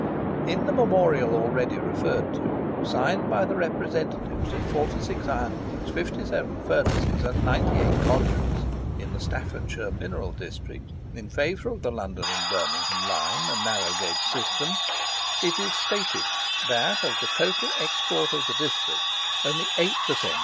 In the memorial already referred to, signed by the representatives of 46 iron works, 57 furnaces, and 98 collieries, in the Staffordshire mineral district, in favour of the London and Birmingham line, and narrow gauge system, it is stated that, of the total export of the district, only eight per cent.